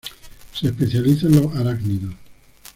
Se especializa en los arácnidos.